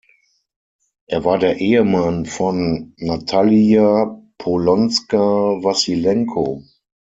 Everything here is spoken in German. Er war der Ehemann von Natalija Polonska-Wassylenko.